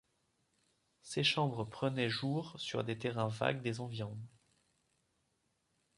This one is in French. Ces chambres prenaient jour sur des terrains vagues des environs.